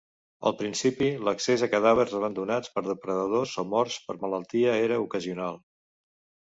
Al principi, l'accés a cadàvers abandonats per depredadors, o morts per malaltia, era ocasional.